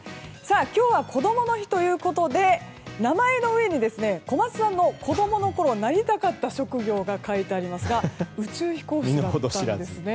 今日はこどもの日ということで名前の上に小松さんの子供のころなりたかった職業が書いてありますが宇宙飛行士だったんですね。